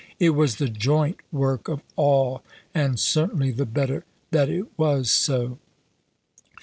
It was the joint work of all, and certainly the better that it was so.